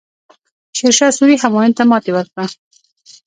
شیرشاه سوري همایون ته ماتې ورکړه.